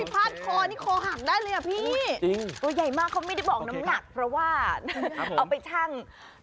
พาดคอนี่คอหักได้เลยอ่ะพี่ตัวใหญ่มากเขาไม่ได้บอกน้ำหนักเพราะว่าเอาไปชั่ง